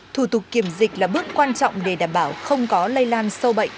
thủ tục kiểm dịch là bước quan trọng để đảm bảo không có lây lan sâu bệnh